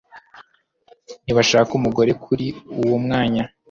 ntibashaka umugore kuri uwo mwanya